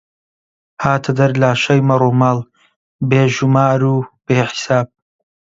هاتە دەر لاشەی مەڕوماڵ، بێ ژومار و بێ حیساب